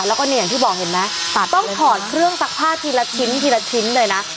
แล้วก็เนี่ยอย่างที่บอกเห็นไหมต้องถอดเครื่องซักผ้าทีละชิ้นทีละชิ้นเลยนะ